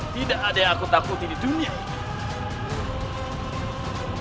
tidak ada yang aku takuti di dunia